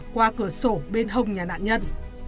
qua cửa sổ bên hông nhà nạn nhân